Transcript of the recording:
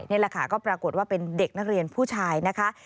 นี่แหละค่ะก็ปรากฏว่าเป็นเด็กนักเรียนผู้ชายนะคะ